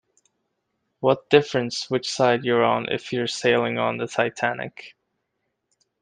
What difference which side you're on if you're sailing on the Titanic?